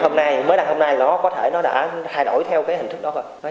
hôm nay mới ăn hôm nay nó có thể đã thay đổi theo hình thức đó rồi